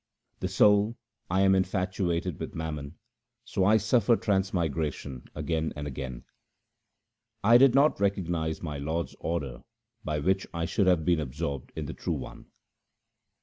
The soul —' I am infatuated with mammon, so I suffer transmigration again and again ;' I did not recognize my Lord's order by which I should have been absorbed in the True One.'